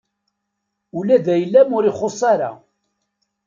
Ula d ayla-m ur ixuṣṣ ara.